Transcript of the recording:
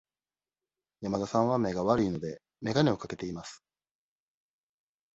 山田さんは目が悪いので、眼鏡をかけています。